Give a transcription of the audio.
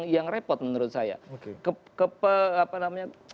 yang repot menurut saya